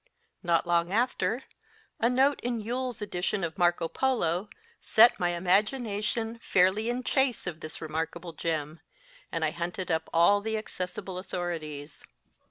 Not long after, a note in Yule s edition of Marco Polo set my imagination fairly in chase of this remarkable gem ; and I hunted up all the ac cessible authorities.